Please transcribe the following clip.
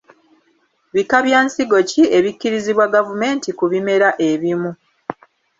Bika bya nsigo ki ebikkirizibwa gavumenti ku bimera ebimu?